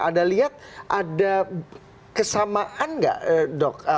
anda lihat ada kesamaan nggak dok